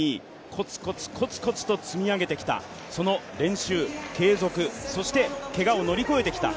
コツコツ、コツコツと積み上げてきたその練習、継続そしてけがを乗り越えてきた。